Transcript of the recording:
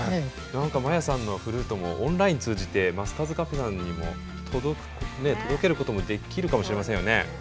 何かまやさんのフルートもオンライン通じてマスターズＣａｆｅさんにも届けることもできるかもしれませんよね。